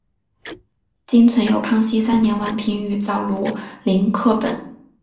今存有康熙三年宛平于藻庐陵刻本。